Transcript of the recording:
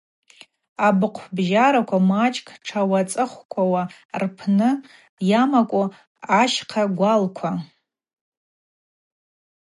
Абыхъв бжьараква, мачӏкӏ тшъауацӏыхквауа рпны йамакву ащхъа гвалква.